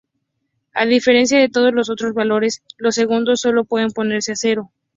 A diferencia de todos los otros valores, los segundos sólo pueden ponerse a cero.